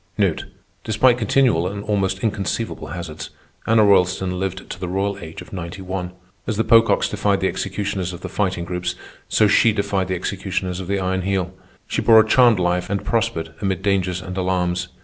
Despite continual and almost inconceivable hazards, Anna Roylston lived to the royal age of ninety one. As the Pococks defied the executioners of the Fighting Groups, so she defied the executioners of the Iron Heel. She bore a charmed life and prospered amid dangers and alarms.